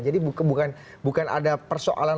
jadi bukan ada persoalan